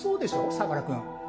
相良君。